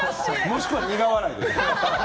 もしくは苦笑いだよ。